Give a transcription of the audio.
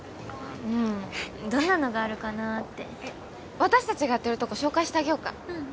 うんどんなのがあるかなって私達がやってるとこ紹介してあげようか？